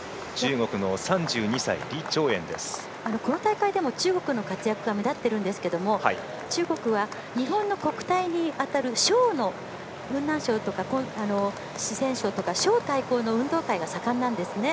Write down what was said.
この大会でも中国の活躍が目立ってるんですけど中国は日本の国体に当たる雲南省とか四川省とか省対抗の運動会が盛んなんですね。